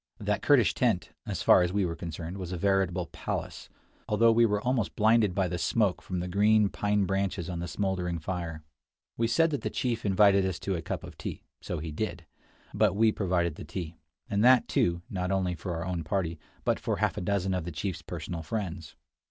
That Kurdish tent, as far as we were concerned, was a veritable palace, although we were almost blinded by the smoke from the green pine branches on the smoldering fire. We said that the chief invited us to a cup of tea: so he did — but we provided the tea; and that, too, not only for our own party, but for half a dozen of the chief's personal friends.